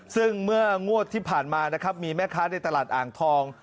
ซึ่งเมื่องวดที่ผ่านมานะครับมีแม่ค้าในตลาดอ่างทอง